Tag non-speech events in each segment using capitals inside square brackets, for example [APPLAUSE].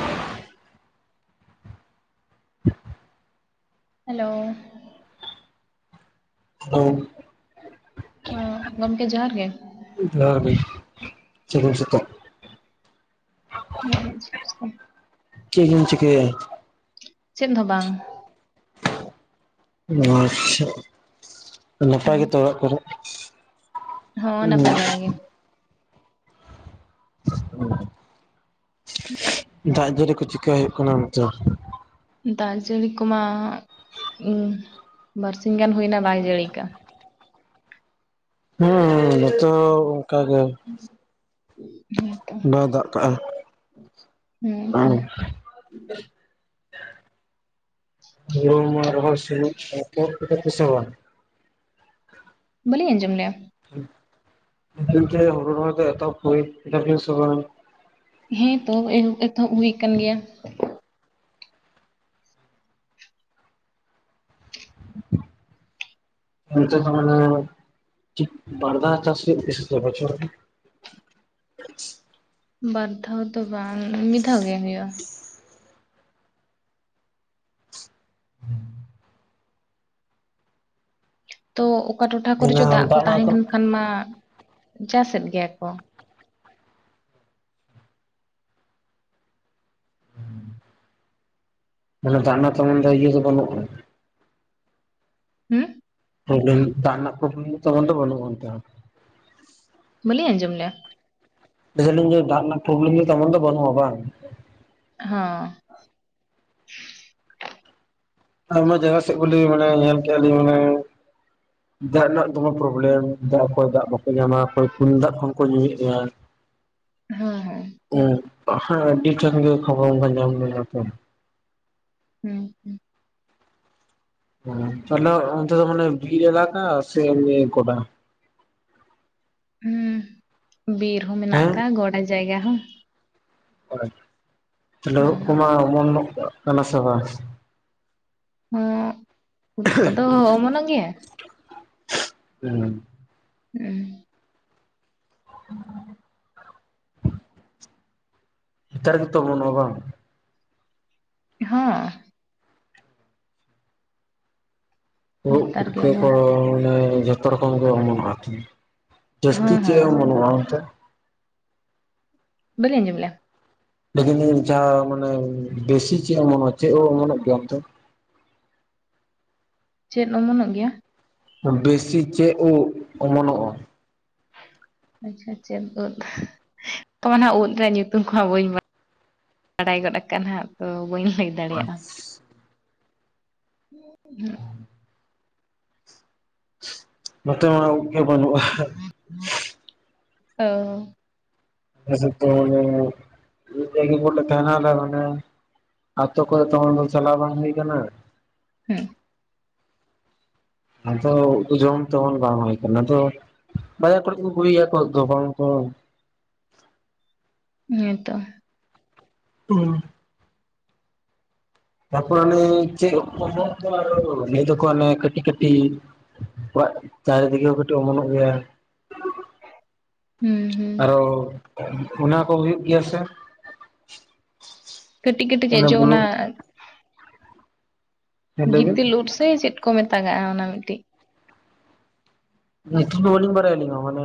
[INAUDIBLE] [INAUDIBLE] Hello. Hello. ᱦᱮᱸᱜ ᱜᱚᱢᱠᱮ ᱡᱚᱦᱟᱨ ᱜᱮ᱾ ᱡᱚᱦᱟᱨ ᱜᱮ ᱥᱟᱹᱜᱩᱱ ᱥᱮᱛᱟᱜ ᱾ ᱦᱮᱸ [INAUDIBLE] ᱪᱮᱜ ᱵᱤᱱ ᱪᱤᱠᱟᱹᱭᱟ? ᱪᱮᱫᱽ ᱦᱚᱸ ᱵᱟᱝ᱾ ᱦᱮᱸ ᱟᱪᱪᱷᱟ ᱱᱟᱯᱟᱭ ᱦᱮᱸ ᱜᱮᱛᱚ ᱚᱲᱟᱜ ᱠᱚᱨᱮ? ᱦᱚᱸ ᱱᱟᱯᱟᱭ ᱵᱟᱲᱟ ᱜᱮ᱾ ᱦᱚᱸ᱾ ᱫᱟᱜ ᱡᱟᱹᱨᱤ ᱠᱚ ᱪᱤᱠᱟ ᱦᱩᱭᱩᱜ ᱠᱟᱱᱟ ᱚᱱᱛᱮ? ᱫᱟᱜ ᱡᱟᱹᱲᱤ ᱠᱚᱢᱟ ᱩᱸ ᱵᱟᱨᱥᱤᱧ ᱜᱟᱱ ᱦᱩᱭᱱᱟ ᱵᱟᱭ ᱡᱟᱹᱲᱤᱭ ᱠᱟᱜ-ᱟ᱾ ᱦᱮᱸ ᱱᱚᱛᱮ ᱦᱚᱸ ᱚᱱᱠᱟ ᱜᱮ᱾ ᱦᱮᱸ ᱛᱚ᱾ ᱫᱟᱜ ᱠᱟᱜᱼᱟ᱾ ᱚ ᱦᱮᱸ [UNINTELLIGIBLE] ᱨᱚᱦᱚᱭ [UNINTELLIGIBLE] ᱮᱛᱚᱦᱚᱵ ᱠᱮᱫᱟᱯᱮᱥᱮ ᱵᱟᱝ? ᱵᱟᱹᱞᱤᱧ ᱟᱸᱡᱚᱢ ᱞᱮᱜᱼᱟ᱾ [UNINTELLIGIBLE] ᱦᱳᱲᱚ ᱨᱚᱦᱚᱭ ᱮᱛᱚᱦᱚᱵ ᱦᱳᱭ ᱠᱮᱫᱟᱵᱤᱱ ᱥᱮ ᱵᱟᱝ? ᱦᱮᱸ ᱮᱛᱚ ᱮᱛᱚᱦᱚᱵ ᱦᱩᱭ ᱠᱟᱱ ᱜᱮᱭᱟ᱾ [INAUDIBLE] ᱚᱱᱛᱮ ᱫᱚ ᱢᱟᱱᱮ ᱵᱟᱨ ᱫᱷᱟᱶ ᱪᱟᱥ ᱦᱳᱭᱳᱜ ᱜᱮᱭᱟ ᱥᱮ ᱪᱮᱫ ᱵᱚᱪᱷᱚᱨ ᱨᱮ? ᱵᱟᱨ ᱫᱷᱟᱣ ᱫᱚ ᱵᱟᱝ ᱢᱤᱫ ᱫᱷᱟᱣ ᱜᱮ ᱦᱩᱭᱩᱜᱼᱟ᱾ ᱦᱩᱸ ᱛᱚ ᱚᱠᱟ ᱴᱚᱴᱷᱟ ᱠᱚᱨᱮ ᱪᱚ ᱫᱟᱜ ᱢᱟᱱᱮ ᱠᱚ ᱨᱮᱱᱟᱜ ᱛᱟᱦᱮᱸ ᱞᱮᱱᱠᱷᱟᱱ ᱢᱟ, ᱪᱟᱥᱮᱫ ᱜᱮᱭᱟ ᱠᱚ᱾ ᱢᱟᱱᱮ ᱫᱟᱜ ᱨᱮᱱᱟᱜ ᱮᱛᱚᱱ ᱫᱚ ᱤᱭᱟᱹ ᱫᱚ ᱵᱟᱹᱱᱩᱜᱼᱟ? ᱦᱩᱸ? [UNINTELLIGIBLE] ᱫᱟᱜ ᱨᱮᱱᱟᱜ ᱯᱨᱚᱵᱞᱮᱢ ᱫᱚ ᱛᱮᱢᱚᱱ ᱫᱚ ᱵᱟᱹᱱᱩᱜ ᱚᱱᱛᱮ ᱵᱟᱹᱞᱤᱧ ᱟᱡᱚᱢᱞᱮᱜᱼᱟ ᱞᱟᱹᱭ ᱮᱫᱟ ᱞᱤᱧ ᱡᱮ ᱫᱟᱜ ᱨᱮᱱᱟᱜ ᱯᱨᱚᱵᱞᱮᱢ ᱫᱚ ᱛᱮᱢᱚᱱ ᱫᱚ ᱵᱟᱱᱩᱜ ᱼᱟ ᱵᱟᱝ ᱦᱚᱸ ᱟᱭᱢᱟ ᱡᱟᱭᱜᱟ ᱥᱮᱫ ᱵᱚᱞᱮ ᱢᱟᱱᱮ ᱧᱮᱞ ᱠᱮᱜᱟᱞᱤᱧ ᱢᱟᱱᱮ ᱫᱟᱜ ᱨᱮᱱᱟᱜ ᱫᱚᱢᱮ ᱯᱨᱚᱵᱽᱞᱮᱢ ᱫᱟᱜ ᱠᱚᱭ ᱫᱟᱜ ᱧᱟᱢᱟ ᱚᱠᱚᱭ ᱠᱩᱸᱧ ᱫᱟᱜ ᱠᱷᱚᱱ ᱠᱚ ᱧᱩᱭᱮᱜᱼᱟ ᱦᱮᱸ ᱦᱮᱸ ᱦᱮᱸ ᱟᱹᱰᱤ ᱴᱷᱮᱱ ᱜᱮ ᱠᱷᱚᱵᱚᱨ ᱚᱱᱠᱟ ᱧᱟᱢ ᱞᱮᱱᱟ ᱛᱚ ᱦᱩᱸ ᱦᱩᱸ ᱛᱟᱦᱞᱮ ᱚᱱᱛᱮ ᱫᱚ ᱢᱟᱱᱮ ᱵᱤᱨ ᱮᱞᱟᱠᱟ ᱥᱮ ᱜᱚᱰᱟ ᱦᱩᱸ ᱵᱤᱨ ᱦᱚᱸ ᱢᱮᱱᱟᱜ ᱦᱮᱸ ᱠᱟᱜᱼᱟ ᱜᱚᱰᱟ ᱡᱟᱭᱜᱟ ᱦᱚᱸ ᱛᱟᱦᱞᱮ ᱳᱫ ᱦᱚᱸ ᱠᱚᱢᱟ ᱚᱢᱚᱱᱚᱜ ᱠᱟᱱᱟ ᱥᱮ ᱵᱟᱝ ᱩᱫ ᱠᱚᱫᱚ ᱚᱢᱚᱱᱚᱜ ᱜᱮᱭᱟ ᱦᱩᱸ ᱦᱩᱸ [UNINTELLIGIBLE] ᱱᱮᱛᱟᱨ ᱜᱮᱛᱚ ᱚᱢᱚᱱᱚᱜᱼᱟ ᱵᱟᱝ ᱦᱚᱸ ᱳᱫ ᱱᱮᱛᱟᱨ ᱜᱮ ᱯᱩᱴᱠᱟᱹ ᱠᱚ ᱚᱢᱚᱱ ᱡᱚᱛᱚ ᱨᱚᱠᱚᱢ ᱜᱮ ᱚᱢᱚᱱᱚᱜᱼᱟ ᱡᱟᱹᱥᱛᱤ ᱦᱚᱸ ᱪᱮᱫ ᱦᱚᱸ ᱚᱢᱚᱱᱚᱜᱼᱟ ᱚᱱᱛᱮ ᱵᱟᱹᱞᱤᱧ ᱟᱸᱡᱚᱢ ᱞᱮᱜᱼᱟ ᱞᱟᱹᱭ ᱮᱫᱟᱞᱤᱧ ᱡᱟᱦᱟᱸ ᱢᱟᱱᱮ ᱵᱮᱥᱤ ᱪᱮᱫ ᱚᱢᱚᱱᱚᱜᱼᱟ ᱪᱮᱫ ᱳᱫ ᱚᱢᱚᱱᱚᱜ ᱜᱮᱭᱟ ᱚᱱᱛᱮ ᱪᱮᱫ ᱚᱢᱚᱱᱚᱜ ᱜᱮᱭᱟ ᱵᱮᱥᱤ ᱪᱮᱫ ᱳᱫ ᱚᱢᱚᱱᱚᱜᱼᱟ ᱟᱪᱪᱷᱟ ᱪᱮᱫ ᱳᱫ ᱛᱚᱵᱮ ᱦᱟᱸᱜ ᱳᱫ ᱨᱮᱭᱟᱜ ᱧᱩᱛᱩᱢ ᱠᱚᱦᱚᱸ ᱵᱟᱹᱧ ᱵᱟᱲᱟᱭ ᱵᱟᱲᱟᱭ ᱜᱚᱫ ᱟᱠᱟᱜᱼᱟ ᱱᱟᱸᱜ ᱛᱚ ᱵᱟᱹᱧ ᱞᱟᱹᱭ ᱫᱟᱲᱮᱭᱟᱜᱼᱟ [UNINTELLIGIBLE] ᱱᱚᱛᱮ ᱢᱟ ᱳᱫ ᱜᱮ ᱵᱟᱹᱱᱩᱜᱼᱟ ᱚ ᱟᱞᱮ ᱥᱮᱫ ᱫᱚ ᱢᱟᱱᱮ [UNINTELLIGIBLE] ᱟᱛᱳ ᱠᱚᱨᱮ ᱛᱚ ᱪᱟᱞᱟᱣ ᱵᱟᱝ ᱦᱩᱭ ᱟᱠᱟᱱᱟ ᱦᱩᱸ ᱟᱫᱚ ᱩᱱ ᱠᱚ ᱡᱚᱢ ᱛᱮᱢᱚᱱ ᱵᱟᱝ ᱦᱳᱭ ᱟᱠᱟᱱᱟ ᱵᱟᱡᱟᱨ ᱠᱚᱨᱮ ᱠᱚ ᱠᱩᱞᱤᱭᱟ ᱫᱚᱠᱟᱱ ᱠᱚ ᱦᱮᱸ ᱛᱚ [UNINTELLIGIBLE] ᱛᱟᱯᱚᱨ ᱚᱱᱮ ᱪᱮᱫ ᱩᱫ ᱠᱚ ᱚᱢᱚᱱᱚᱜ ᱫᱚ ᱞᱟᱹᱭ ᱫᱚᱠᱚ ᱦᱟᱱᱮ ᱠᱟᱴᱤᱡ ᱠᱟᱴᱤᱡ ᱚᱲᱟᱜ ᱰᱟᱨᱮ ᱫᱤᱜᱮ ᱦᱚᱸ ᱠᱟᱹᱴᱤᱡ ᱚᱢᱚ ᱱᱚᱜ ᱜᱮᱭᱟ ᱦᱩᱸ ᱦᱩᱸ ᱟᱨᱚ ᱚᱱᱟ ᱠᱚ ᱦᱩᱭᱩᱜ ᱜᱮᱭᱟ ᱥᱮ ᱠᱟᱹᱴᱤᱡ ᱠᱟᱹᱴᱤᱡ ᱚᱱᱮ ᱡᱚ ᱚᱱᱟ ᱵᱩᱞᱩᱝ ᱦᱮᱸ ᱞᱟᱹᱭ ᱵᱤᱱ ᱜᱤᱛᱤᱞ ᱩᱫ ᱥᱮ ᱪᱮᱫ ᱠᱚ ᱢᱮᱛᱟᱜ ᱟᱜᱼᱟ ᱚᱱᱟ ᱢᱤᱫ ᱴᱤᱡ ᱧᱩᱛᱩᱢ ᱫᱚ ᱵᱟᱞᱤᱧ ᱵᱟᱲᱟᱭᱟ ᱟᱞᱤᱧ ᱦᱚᱸ ᱢᱟᱱᱮ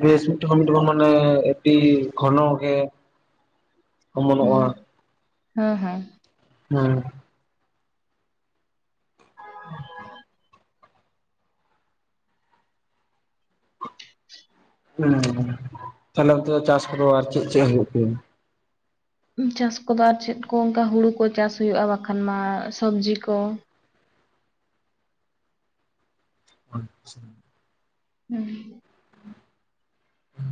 ᱵᱮᱥᱴ [UNINTELLIGIBLE] [UNINTELLIGIBLE] ᱟᱹᱰᱤ ᱜᱦᱚᱱᱚ ᱜᱮ ᱚᱢᱚᱱᱚᱜᱼᱟ ᱦᱩᱸ ᱦᱮᱸ ᱦᱮᱸ ᱦᱮᱸ ᱦᱮᱸ ᱛᱟᱦᱞᱮ ᱚᱱᱛᱮ ᱫᱚ ᱪᱟᱥ ᱠᱚ ᱫᱚ ᱟᱨ ᱪᱮᱫ ᱪᱮᱫ ᱦᱩᱭᱩᱜ ᱜᱮᱭᱟ ᱪᱟᱥ ᱠᱚᱫᱚ ᱟᱨ ᱪᱮᱫ ᱠᱚ ᱚᱱᱠᱟ ᱦᱩᱲᱩ ᱠᱚ ᱪᱟᱥ ᱦᱩᱭᱩᱜᱼᱟ ᱵᱟᱠᱷᱟᱱ ᱢᱟ ᱥᱚᱵᱡᱤ ᱠᱚ ᱟᱪᱪᱷᱟ ᱦᱩᱸ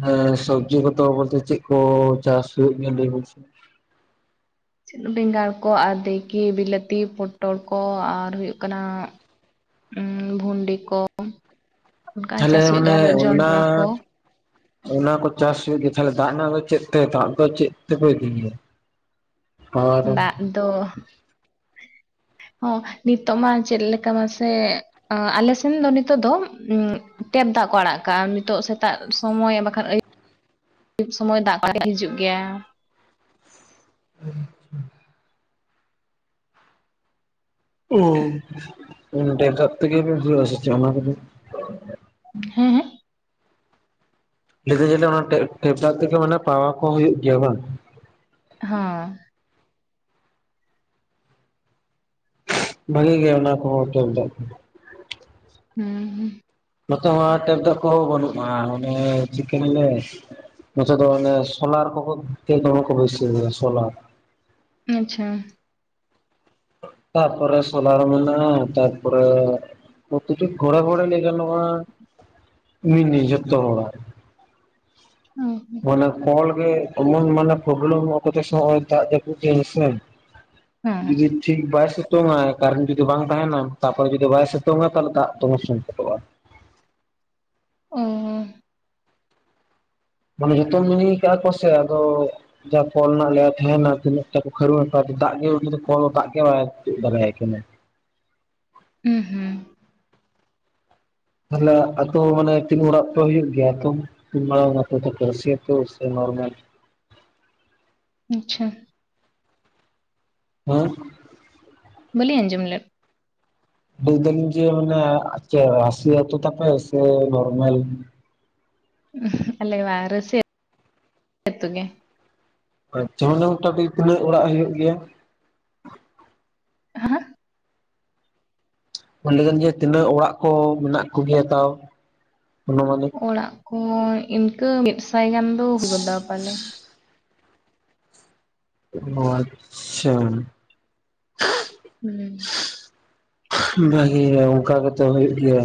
ᱦᱮᱸ ᱥᱚᱵᱽᱡᱤ ᱠᱚ ᱫᱚ ᱵᱚᱞᱛᱮ ᱪᱮᱫ ᱠᱚ ᱪᱟᱥ ᱦᱩᱭᱩᱜ ᱜᱮᱭᱟ ᱞᱟᱹᱭ ᱵᱤᱱ ᱵᱮᱸᱜᱟᱲ ᱠᱚ ᱟᱨ ᱫᱮ ᱠᱤ ᱵᱤᱞᱟᱹᱛᱤ ᱯᱚᱴᱚᱞ ᱠᱚ ᱟᱨ ᱦᱩᱭᱩᱜ ᱠᱟᱱᱟ ᱵᱷᱩᱸᱰᱤ ᱠᱚ ᱚᱱ ᱠᱟ ᱛᱟᱦᱞᱮ ᱪᱟᱥ ᱦᱩᱭᱩᱜ ᱜᱮᱭᱟ ᱢᱟᱱᱮ ᱟᱨ ᱡᱚᱱ ᱚᱱᱟ ᱡᱚᱱᱰᱨᱟ ᱠᱚ ᱚᱱᱟ ᱠᱚ ᱪᱟᱥ ᱦᱩᱭᱩᱜ ᱜᱮᱭᱟ ᱛᱟᱦᱞᱮ ᱫᱟᱜ ᱨᱮᱱᱟᱜ ᱫᱚ ᱪᱮᱫ ᱛᱮ ᱫᱟᱜ ᱫᱚ ᱪᱮᱫ ᱛᱮ ᱠᱚ ᱤᱫᱤ ᱜᱮ ᱭᱟ ᱫᱟᱜ ᱫᱚ ᱦᱚᱸ ᱱᱤᱛᱚᱜ ᱢᱟ ᱪᱮᱫ ᱞᱮᱠᱟ ᱢᱟᱥᱮ ᱟᱞᱮ ᱥᱮᱱ ᱫᱚ ᱱᱤᱛᱚᱜ ᱫᱚ ᱴᱮᱯ ᱫᱟᱜ ᱠᱚ ᱟᱲᱟᱜ ᱠᱟᱜᱼᱟ ᱱᱤᱛᱚᱜ ᱥᱮᱛᱟᱜ ᱥᱚᱢᱚᱭ ᱵᱟᱠᱷᱟᱱ ᱟᱹᱭᱩᱵ ᱴᱤᱠ ᱥᱚᱢᱚᱭ ᱫᱟᱜ ᱠᱚ‌ ᱦᱤᱡᱩᱜ ᱜᱮᱭᱟ ᱟᱪᱪᱷᱟ ᱳ ᱚᱰᱮ ᱫᱟᱜ ᱛᱮᱜᱮ ᱦᱩᱭᱩᱜᱼᱟ ᱥᱮᱪᱮᱫ ᱚᱱᱟ ᱠᱚ ᱫᱚ ᱦᱮᱸ ᱦᱮᱸ ᱞᱤᱫᱤᱧ ᱡᱮ ᱚᱱᱟ ᱴᱮᱯ ᱫᱟᱜ ᱛᱮ ᱜᱮ ᱢᱟᱱᱮ ᱯᱟᱣᱟ ᱠᱚ ᱦᱩᱭᱩᱜ ᱜᱮᱭᱟ ᱵᱟᱝ ᱦᱚᱸ ᱵᱷᱟᱹᱜᱤ ᱜᱮᱭᱟ ᱚᱱᱟ ᱠᱚ ᱦᱚᱸ ᱴᱮᱯ ᱫᱟᱜ ᱠᱷᱚᱱ ᱦᱩᱸ ᱦᱩᱸ ᱱᱚ ᱛᱮ ᱦᱚᱸ ᱴᱮᱯ ᱫᱟᱜ ᱠᱚ ᱦᱚᱸ ᱵᱟᱹᱱᱩᱜᱼᱟ ᱚᱱᱮ ᱪᱤᱠᱟᱧ ᱞᱟᱹᱭ ᱟ ᱱᱚ ᱛᱮ ᱫᱚ ᱢᱟᱱᱮ ᱥᱳᱞᱟᱨ ᱠᱚ ᱠᱚ ᱵᱟᱹᱭ ᱥᱟᱹᱣ ᱜᱮᱭᱟ ᱥᱳᱞᱟᱨ ᱟᱪᱪᱷᱟ ᱛᱟ ᱯᱚ‌ᱨᱮ ᱥᱳᱞᱟᱨ ᱢᱮᱱᱟᱜᱼᱟ ᱛᱟᱨ ᱨᱮ ᱯᱨᱚᱛᱤᱴᱤ ᱜᱷᱚᱨᱮ ᱜᱷᱚᱨᱮ ᱞᱟᱹᱭ ᱜᱟᱱᱚᱜᱼᱟ ᱢᱤᱱᱤ ᱡᱚᱛᱚ ᱦᱚᱲᱟᱜᱼᱟ [UNINTELLIGIBLE] ᱢᱟᱱᱮ ᱠᱚᱞ ᱜᱮ ᱮᱢᱚᱱ ᱢᱟᱱᱮ ᱯᱨᱚᱵᱮᱞᱮᱢ ᱠᱚ ᱫᱟᱜ ᱡᱟᱯᱩᱫ ᱦᱮᱸᱥᱮ ᱡᱩᱫᱤ ᱴᱷᱤᱠ ᱵᱟᱭ ᱥᱤᱛᱩᱝᱟ ᱠᱟᱨᱮᱱ ᱡᱩᱫᱤ ᱵᱟᱝ ᱛᱟᱦᱮ ᱱᱟ ᱛᱟᱯᱚ ᱨᱮ ᱡᱩᱫᱤ ᱵᱟᱭ ᱥᱤᱛᱩᱝᱟ ᱛᱟᱦᱚᱞᱮ ᱫᱟᱜ ᱫᱚᱢᱮ ᱥᱚᱝ ᱠᱚᱴᱚᱜᱼᱟ [UNINTELLIGIBLE] ᱢᱟᱱᱮ ᱡᱚᱛᱚ ᱢᱤᱱᱤ ᱠᱟᱜ ᱟᱠᱚ ᱥᱮ ᱟᱫᱚ ᱠᱚᱞ ᱨᱮᱱᱟᱜ ᱞᱮᱭᱟᱨ ᱛᱟᱦᱮ ᱱᱟ ᱛᱤᱱᱟᱹᱜ ᱴᱟ ᱠᱚ ᱠᱷᱟᱹᱨᱩ ᱠᱚ ᱫᱟᱜ ᱜᱮ ᱡᱤᱫᱤ ᱠᱷᱚᱞ ᱫᱟᱜ ᱜᱮ ᱵᱟᱭ ᱛᱤᱭᱟᱹᱜ ᱫᱟᱲᱮᱭᱟᱜ ᱠᱟᱱᱟ ᱩᱸ ᱦᱩᱸ ᱛᱟᱦᱞᱮ ᱟᱹᱛᱩ ᱢᱟᱱᱮ ᱛᱤᱱᱟᱹᱜ ᱚᱲᱟᱜ ᱯᱮ ᱦᱩᱭᱩᱜ ᱜᱮᱭᱟ ᱟᱹᱛᱩ ᱛᱤᱱ ᱢᱟᱨᱟᱝ ᱟᱹᱛᱩ ᱛᱟᱯᱮ ᱨᱟᱥᱤ ᱟᱹᱛᱩ ᱥᱮ ᱱᱚᱨᱢᱟᱞ ᱟᱪᱪᱷᱟ ᱦᱮᱸ ᱵᱟᱞᱤᱧ ᱟᱡᱚᱢ ᱞᱮᱫ ᱞᱟᱹᱭ ᱫᱟᱞᱤᱧ ᱡᱮ ᱨᱟᱥᱤ ᱟᱹᱛᱩ ᱛᱟᱯᱮ ᱥᱮ ᱱᱚᱨᱢᱟᱞ ᱟᱞᱮᱭᱟᱜ ᱨᱟᱥᱤ ᱟᱹᱛᱩ ᱜᱮ ᱟᱪᱪᱷᱟ ᱚᱸᱰᱮ ᱢᱚᱴ ᱛᱤᱱᱟᱹᱜ ᱚᱲᱟᱜ ᱦᱩᱭᱩᱜ ᱜᱮᱭᱟ ᱦᱟᱸ ᱚᱰᱮ ᱜᱮ ᱛᱤᱱᱟᱹᱜ ᱚᱲᱟᱜ ᱠᱚ ᱢᱮᱱᱟᱜ ᱠᱚᱜᱮᱭᱟ ᱛᱟᱣ [INAUDIBLE] ᱚᱲᱟᱜ ᱠᱚ ᱤᱱᱠᱟᱹ ᱢᱤᱫ ᱥᱟᱭ ᱜᱟᱱ ᱫᱚ ᱦᱩᱭ ᱜᱚᱫᱚ ᱯᱟᱞᱮ ᱟᱪᱪᱷᱟ ᱦᱩᱸ ᱵᱷᱟᱹᱜᱮ ᱚᱱᱠᱟ ᱠᱟᱛᱮ ᱦᱩᱭᱩᱜ ᱜᱮᱭᱟ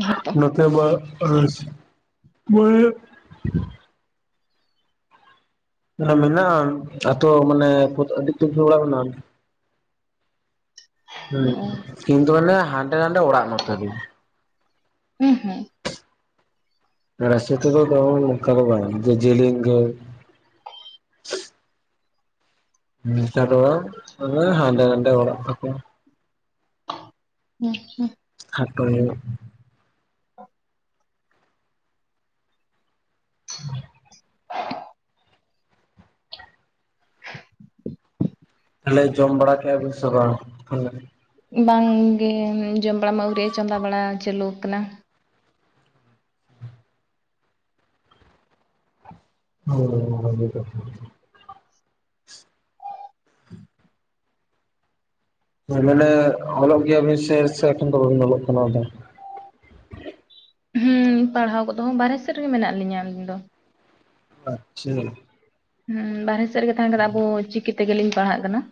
ᱦᱮᱸ ᱛᱚ ᱱᱚᱛᱮ ᱢᱟ [INAUDIBLE] ᱦᱮ ᱢᱮᱱᱟᱜᱼᱟ ᱟᱛᱳ ᱢᱟᱱᱮ ᱟᱹᱰᱤ ᱩᱛᱟᱹᱨ ᱜᱮ ᱚᱲᱟᱜ ᱢᱮᱱᱟᱜᱼᱟ ᱦᱩᱸ ᱠᱤᱱᱛᱩ ᱢᱟᱱᱮ ᱦᱟᱸᱰᱮ ᱱᱚᱰᱮ ᱚᱲᱟᱜ ᱱᱚᱛᱮ ᱫᱚ ᱩᱸ ᱦᱩᱸ ᱨᱟᱥᱤ ᱟᱹᱛᱩ ᱫᱚ ᱱᱚᱝᱠᱟᱱ ᱫᱚ ᱵᱟᱝ ᱡᱤᱞᱤᱝ ᱜᱮ ᱱᱮᱛᱟᱨ ᱫᱚ ᱵᱟᱝ ᱢᱟᱱᱮ ᱦᱟᱰᱮ ᱱᱟᱥᱮ ᱚᱲᱟᱜ ᱛᱟᱠᱚ [UNINTELLIGIBLE] ᱠᱷᱟᱴ ᱮ [UNINTELLIGIBLE] ᱛᱟᱞᱦᱮ ᱡᱚᱢ ᱵᱟᱲᱟ ᱠᱮᱜ-ᱟ ᱵᱤᱱ ᱥᱮ ᱵᱟᱝ? ᱵᱟᱝᱜᱮ ᱡᱚᱢ ᱵᱟᱲᱟ ᱢᱟ ᱟᱹᱣᱨᱤᱜ-ᱟ ᱪᱚᱸᱫᱟ ᱵᱟᱲᱟ ᱪᱟᱹᱞᱩ ᱠᱟᱱᱟ ᱦᱳᱭ ᱵᱷᱟᱹᱜᱮ ᱜᱮ ᱢᱟᱱᱮ ᱚᱞᱚᱜ ᱜᱮᱭᱟᱵᱤᱱ ᱥᱮ ᱥᱮ ᱮᱠᱷᱚᱱ ᱫᱚ ᱵᱟᱵᱤᱱ ᱚᱞᱚᱜ ᱠᱟᱱᱟ ᱟᱫᱚ? ᱦᱩᱸ ᱯᱟᱲᱦᱟᱣ ᱠᱚᱫᱚ ᱵᱟᱨᱦᱮ ᱥᱮᱫ ᱨᱮᱜᱮ ᱢᱮᱱᱟᱜ ᱞᱤᱧᱟ ᱟᱹᱞᱤᱧ ᱫᱚ ᱟᱪᱪᱷᱟ ᱦᱩᱸ ᱵᱟᱨᱦᱮ ᱥᱮᱫ ᱨᱮᱜᱮ ᱛᱟᱦᱮᱸᱱ ᱠᱟᱛᱮ ᱟᱵᱚ ᱪᱤᱠᱤ ᱛᱮᱜᱮᱞᱤᱧ ᱯᱟᱲᱦᱟᱜ ᱠᱟᱱᱟ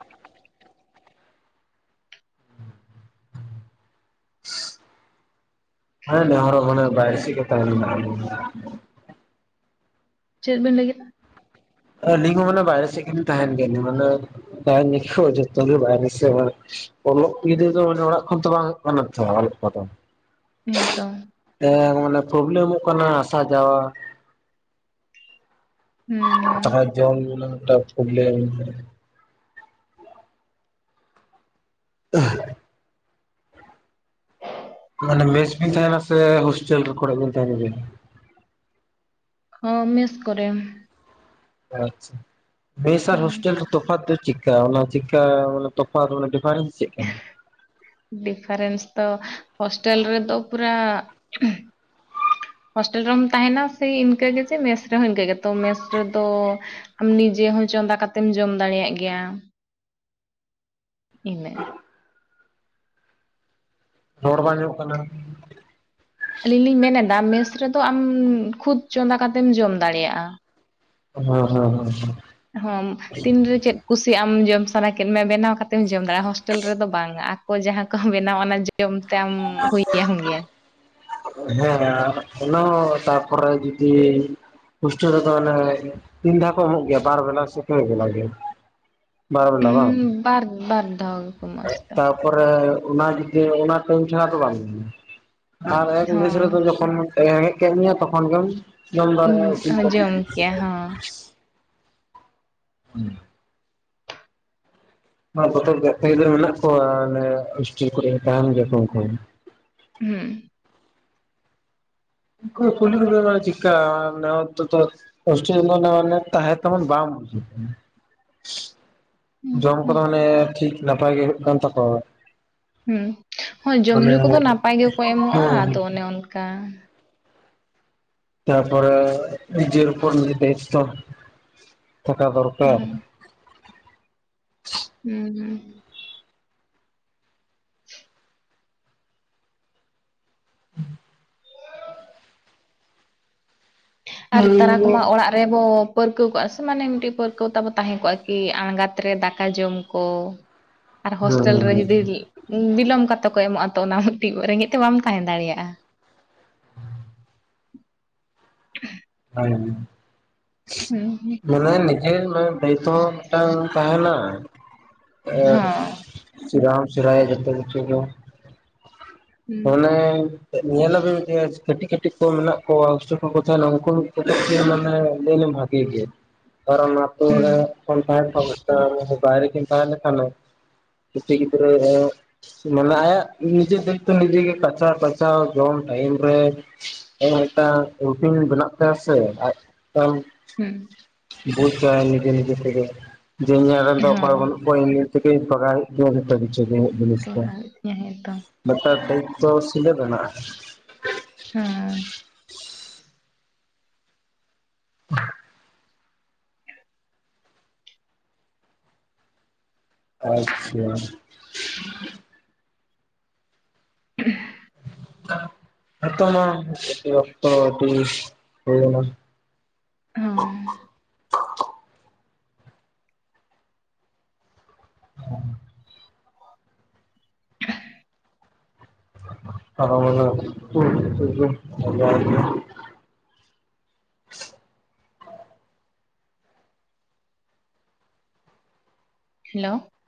ᱦᱳᱭ ᱱᱮᱦᱚᱨᱚ ᱢᱟᱱᱮ ᱵᱟᱭᱨᱮ ᱥᱤᱜ ᱜᱮᱢ ᱛᱟᱸᱦᱮᱱ ᱠᱟᱱᱟ ᱵᱩ ᱪᱮᱫ ᱵᱤᱱ ᱞᱟᱹᱭ ᱠᱮᱫᱟ? ᱟᱹᱞᱤᱧ ᱦᱚᱸ ᱢᱟᱱᱮ ᱵᱟᱭᱨᱮ ᱥᱮᱜ ᱜᱮᱞᱤᱧ ᱛᱟᱦᱮᱱ ᱜᱮᱭᱟᱞᱤᱧ ᱢᱟᱱᱮ ᱛᱟᱦᱮᱱ ᱜᱮᱠᱚ ᱡᱚᱛᱚ ᱜᱮ ᱵᱟᱭᱨᱮ ᱥᱮᱫ ᱚᱞᱚᱜ ᱠᱤᱨᱟᱹ ᱫᱚ ᱚᱱᱮ ᱚᱲᱟᱜ ᱠᱷᱚᱱ ᱛᱚ ᱵᱟᱝ ᱦᱳᱭᱳᱜ ᱠᱟᱱᱟ ᱛᱚ ᱚᱞᱚᱜ ᱠᱚᱫᱚ ᱦᱮᱸ ᱛᱚ ᱦᱮᱸ ᱢᱟᱱᱮ ᱯᱨᱚᱵᱞᱮᱢ-ᱚᱜ ᱠᱟᱱᱟ ᱟᱥᱟ ᱡᱟᱣᱟ ᱦᱩᱸ ᱛᱟᱦᱟ ᱡᱚᱢᱧᱩ ᱮᱱᱟᱜ ᱢᱤᱫᱴᱟᱝ ᱯᱚᱵᱞᱮᱢ [UNINTELLIGIBLE] ᱢᱟᱱᱮ ᱢᱮᱥ ᱵᱤᱱ ᱛᱟᱦᱮᱱᱟ ᱥᱮ ᱦᱳᱥᱴᱮᱞ ᱠᱚᱲᱮ ᱵᱤᱱ ᱛᱟᱦᱮᱱᱟ ᱟᱵᱤᱱ? ᱚ ᱢᱮᱥ ᱠᱚᱨᱮ ᱟᱪᱪᱷᱟ ᱢᱮᱥᱟ ᱟᱨ ᱦᱳᱥᱴᱮᱞ ᱛᱚᱯᱷᱟᱛ ᱫᱚ ᱪᱤᱠᱟ ᱚᱱᱟ ᱪᱤᱠᱟ ᱢᱟᱱᱮ ᱛᱚᱯᱷᱟᱛ ᱢᱟᱱᱮ ᱰᱤᱯᱷᱟᱨᱮᱱᱥ ᱪᱮᱜ ᱠᱟᱱᱟ? ᱰᱤᱯᱷᱟᱨᱮᱱᱥ ᱛᱚ ᱦᱳᱥᱴᱮᱞ ᱨᱮᱫᱚ ᱯᱩᱨᱟ ᱦᱳᱥᱴᱮᱞ ᱨᱮᱦᱚᱸᱚᱢ ᱛᱟᱦᱮᱱᱟ ᱥᱮ ᱤᱱᱠᱟᱹᱜᱮ ᱡᱮ ᱢᱮᱥ ᱨᱮᱦᱚᱸ ᱤᱱᱠᱟᱹᱜᱮᱛᱚ ᱢᱮᱥ ᱨᱮᱫᱚ ᱟᱢ ᱱᱤᱡᱮ ᱦᱚᱸ ᱪᱚᱸᱫᱟ ᱠᱟᱛᱮᱢ ᱡᱚᱢ ᱫᱟᱲᱮᱭᱟᱜ ᱜᱮᱭᱟ ᱤᱱᱟᱹ ᱨᱚᱲ ᱵᱟᱝ ᱟᱸᱡᱚᱢᱚᱜ ᱠᱟᱱᱟ ᱟᱹᱞᱤᱧ ᱞᱤᱧ ᱢᱮᱱᱮᱫᱟ ᱢᱮᱥ ᱨᱮᱫᱚ ᱟᱢ ᱠᱷᱩᱫ ᱪᱚᱸᱫᱟ ᱠᱟᱛᱮᱢ ᱡᱚᱢ ᱫᱟᱲᱮᱭᱟᱜᱼᱟ ᱦᱳᱭ ᱦᱳᱭ ᱦᱳᱭ ᱦᱟᱢ ᱛᱤᱱᱨᱮ ᱪᱮᱫ ᱠᱩᱥᱤᱭᱜᱟᱢ ᱡᱚᱢ ᱥᱟᱱᱟ ᱠᱮᱫ ᱢᱮ ᱵᱮᱱᱟᱣ ᱠᱟᱛᱮᱢ ᱡᱚᱢ ᱫᱟᱲᱮᱭᱟᱜᱼᱟ, ᱦᱳᱥᱴᱮᱞ ᱨᱮᱫᱚ ᱵᱟᱝ-ᱟ, ᱟᱠᱚ ᱡᱟᱦᱟᱸ ᱠᱚ ᱵᱮᱱᱟᱣᱟ ᱚᱱᱟ ᱡᱚ ᱡᱚᱢ ᱛᱮ ᱟᱢ ᱦᱩᱭᱟᱢ ᱜᱮᱭᱟ ᱦᱮᱸ ᱦᱮᱸᱟᱨ ᱚᱱᱟ ᱦᱚᱸ ᱛᱟᱯᱚᱨᱮ ᱡᱩᱫᱤ ᱦᱳᱥᱴᱮᱞ ᱨᱮᱫᱚ ᱚᱱᱮ ᱛᱤᱱ ᱫᱷᱟᱣ ᱠᱚ ᱮᱢᱚᱜ ᱜᱮᱭᱟ? ᱵᱟᱨ ᱵᱮᱞᱟ ᱥᱮ ᱯᱮ ᱵᱮᱞᱟ ᱜᱮ ᱵᱟᱨ ᱦᱩᱸ ᱵᱮᱞᱟ ᱵᱟᱝ ᱵᱟᱨ ᱵᱟᱨ ᱫᱷᱟᱣ ᱜᱮ ᱠᱚ ᱢᱚᱜᱟ ᱥᱮ ᱛᱟ ᱛᱟᱯᱚᱨᱮ ᱚᱱᱟ ᱡᱩᱫᱤ ᱚᱱᱟ ᱴᱟᱭᱤᱢ ᱪᱷᱟᱲᱟ ᱫᱚ ᱵᱟᱢ ᱧᱟᱢ-ᱟ ᱟᱨ ᱮᱠ ᱢᱤᱥ ᱨᱮᱫᱚ ᱡᱚᱠᱷᱚᱱ ᱨᱮᱸᱜᱮᱡ ᱠᱮᱫ ᱢᱮᱭᱟ ᱛᱚᱠᱷᱚᱱ ᱜᱮᱢ ᱡᱚᱢ ᱫᱟᱲᱮᱜ-ᱟ ᱤᱥᱤᱱ ᱦᱚᱸ ᱠᱟᱛᱮ [INAUDIBLE] ᱡᱚᱢ ᱠᱮᱭᱟ ᱦᱚᱸ ᱟᱨ [INAUDIBLE] ᱵᱚᱛᱚᱨ [INAUDIBLE] ᱜᱤᱫᱽᱨᱟᱹ ᱢᱮᱱᱟᱜ ᱠᱚᱣᱟ ᱚᱱᱮ ᱦᱳᱥᱴᱮᱞ ᱠᱚᱨᱮ ᱛᱟᱦᱮᱱ ᱜᱮᱭᱟ ᱠᱚ ᱩᱱᱠᱩ ᱦᱩᱸ ᱦᱳᱭ ᱯᱩᱭᱞᱩ ᱨᱮ ᱫᱚ ᱟᱫᱚ ᱪᱤᱜᱠᱟ [UNINTELLIGIBLE] ᱚᱥᱴᱮᱞ ᱨᱮ ᱫᱚ [UNINTELLIGIBLE] ᱛᱟᱦᱮᱸᱱ ᱛᱮᱵᱚᱱ ᱵᱟᱝ ᱵᱩᱪᱚᱜ ᱠᱟᱱᱟ ᱦᱩᱸ ᱡᱚᱢ ᱦᱩᱸ ᱠᱚᱫᱚ ᱚᱱᱮ ᱴᱷᱤᱠ ᱱᱟᱯᱟᱭ ᱜᱮ ᱦᱩᱭᱩᱜ ᱠᱟᱱ ᱛᱟᱠᱚᱣᱟ? ᱦᱩᱸ ᱦᱚᱭᱸ ᱡᱚᱢ ᱢᱟᱱᱮ ᱧᱩ ᱠᱚᱫᱚ ᱱᱟᱯᱟᱭ ᱜᱮᱠᱚ ᱮᱢᱚᱜᱼᱟ ᱦᱮᱸ ᱟᱫᱚ ᱦᱮᱸ ᱚᱱᱮ ᱚᱱᱠᱟ ᱛᱟᱨᱯᱚᱨ ᱱᱤᱡᱮᱨᱯᱚᱨ ᱱᱤᱡ ᱫᱟᱭᱤᱛᱚ ᱛᱷᱟᱠᱟ ᱫᱚᱨᱠᱟᱨ ᱦᱩᱸ ᱦᱩᱸ ᱦᱩᱸ ᱦᱮᱸ ᱟᱨ ᱦᱮᱸ ᱛᱟᱨᱟ ᱠᱚᱢᱟ ᱚᱲᱟᱜ ᱨᱮᱵᱚ ᱯᱟᱹᱨᱠᱟᱹᱣ ᱠᱚᱜᱼᱟ ᱥᱮ ᱢᱟᱱᱮ ᱢᱤᱫᱴᱤᱡ ᱯᱟᱹᱨᱠᱟᱹᱣ ᱛᱟᱵᱚ ᱛᱟᱦᱮᱸ ᱠᱚᱜᱼᱟ ᱠᱤ ᱟᱬᱜᱟᱛ ᱨᱮ ᱫᱟᱠᱟ ᱡᱚᱢ ᱠᱚ ᱟᱨ ᱦᱳᱥᱴᱮᱞ ᱨᱮ ᱡᱩᱫᱤ ᱵᱤᱞᱚᱢ ᱠᱟᱛᱮ ᱠᱚ ᱮᱢᱚᱜᱼᱟ ᱛᱚ ᱚᱱᱟᱜ ᱨᱮᱸᱜᱮᱡ ᱛᱮ ᱵᱟᱢ ᱛᱟᱦᱮᱸ ᱫᱟᱲᱮᱭᱟᱜᱼᱟ ᱾ ᱦᱮᱸ ᱦ ᱢᱟᱱᱮ ᱱᱤᱡᱮᱨ ᱫᱟᱹᱭᱛᱚ ᱢᱤᱫᱴᱟᱝ ᱛᱟᱦᱮᱱᱟ ᱦᱮ ᱥᱤᱨᱟ ᱦᱚᱢ ᱥᱮᱲᱟᱭᱟ ᱡᱚᱛᱚ ᱠᱤᱪᱷᱩ ᱜᱮ ᱦᱩᱸ ᱢᱚᱱᱮ ᱧᱮᱞᱞᱟᱵᱤᱱ ᱡᱮ ᱠᱟᱹᱴᱤᱡ ᱠᱟᱹᱴᱤᱡ ᱠᱚ ᱢᱮᱱᱟᱜ ᱠᱚᱣᱟ ᱚᱥᱴᱮᱞ ᱠᱚ ᱛᱟᱦᱮᱱᱟ ᱩᱱᱠᱩ ᱠᱷ ᱢᱟᱱᱮ ᱞᱟᱹᱭᱞᱤ ᱵᱷᱟᱜᱤ ᱜᱮ ᱠᱟᱨᱚᱱ ᱟᱛᱳ ᱨᱮ ᱦᱩᱸ ᱫᱷ ᱵᱟᱟᱭᱨᱮ ᱪᱤᱱᱛᱟ ᱦᱮ ᱠᱷᱟᱱᱛᱮ ᱠᱤ ᱫᱷᱮ ᱢᱟᱱᱮ ᱟᱭᱟᱜ ᱱᱤᱡᱮ ᱫᱚ ᱱᱤᱡᱮᱜ ᱜᱮ ᱠᱟᱪᱷᱟ ᱠᱟᱪᱟᱣ ᱡᱚᱢ ᱴᱟᱭᱤᱢ ᱨᱮ ᱢᱤᱫᱴᱟᱝ ᱨᱩᱴᱤᱱ ᱵᱮᱱᱟᱜ ᱛᱟᱭᱟ ᱥᱮ ᱦᱮᱸ ᱵᱩᱡᱽ ᱪᱟᱭ ᱱᱤᱡᱮ ᱱᱤᱡᱮ ᱛᱮᱜᱮ ᱡᱮᱧᱮᱞ ᱨᱮᱱ ᱫᱚ ᱚᱠᱚᱭ ᱦᱚᱸ ᱵᱟᱹᱱᱩᱜᱼᱟ ᱤᱧ ᱱᱤᱡᱮᱛᱮ ᱜᱮ ᱵᱟᱜᱟᱣ ᱦᱳᱭᱳᱜ ᱛᱤᱧᱟ ᱡᱚᱛᱚ ᱠᱤᱪᱷᱩ ᱡᱤᱱᱤᱥ ᱫᱚ ᱠᱚᱨᱟᱣ ᱦᱩᱭᱩᱜ ᱛᱤᱧᱟᱹ ᱦᱮᱸᱛᱚ ᱱᱮᱛᱟᱨ ᱴᱟᱭᱤᱯ ᱫᱚ ᱥᱤᱞᱟᱹ ᱦ ᱢᱮᱱᱟᱜᱼᱟ ᱦᱮᱸ ᱟᱪᱪᱷᱟ ᱮ ᱛᱚ ᱢᱟ ᱚᱠᱛᱚ ᱦᱩᱭᱮᱱᱟ ᱚ ᱦᱮᱸ ᱟᱨ ᱦᱮᱞᱳ